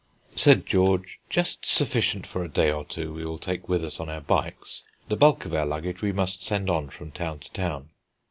Said George: "Just sufficient for a day or two we will take with us on our bikes. The bulk of our luggage we must send on from town to town."